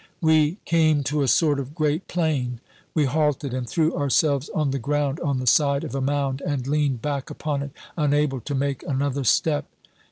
We came to a sort of great plain. We halted and threw ourselves on the ground on the side of a mound, and leaned back upon it, unable to make another step.